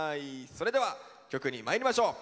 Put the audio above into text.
それでは曲にまいりましょう。